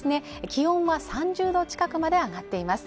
気温は３０度近くまで上がっています